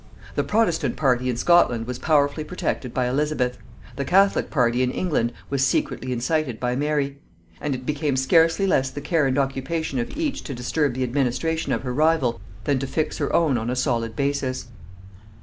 The protestant party in Scotland was powerfully protected by Elizabeth, the catholic party in England was secretly incited by Mary; and it became scarcely less the care and occupation of each to disturb the administration of her rival than to fix her own on a solid basis.